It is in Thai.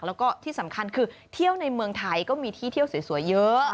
แล้วก็ที่สำคัญคือเที่ยวในเมืองไทยก็มีที่เที่ยวสวยเยอะ